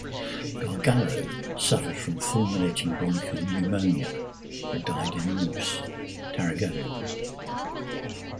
Gargallo suffered from fulminating bronchial pneumonia and died in Reus, Tarragona.